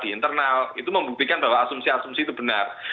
di internal itu membuktikan bahwa asumsi asumsi itu benar